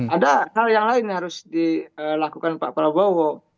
ada hal yang lain yang harus dilakukan pak prabowo